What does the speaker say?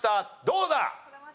どうだ？